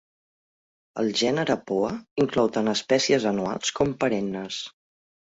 El gènere "Poa" inclou tant espècies anuals com perennes.